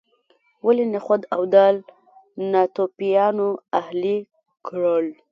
ولې نخود او دال ناتوفیانو اهلي کړل.